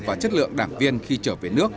và chất lượng đảng viên khi trở về nước